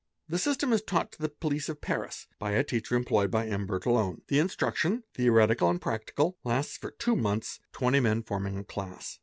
The system is taught to the police of Paris, by a teacher employed by VW. Bertillon. The instruction, theoretical and practical, lasts for two 'months, twenty men forming a class.